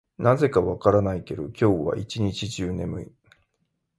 なぜか分からないけど、今日は一日中眠い。